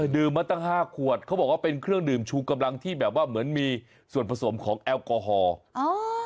มาตั้งห้าขวดเขาบอกว่าเป็นเครื่องดื่มชูกำลังที่แบบว่าเหมือนมีส่วนผสมของแอลกอฮอล์อ๋อ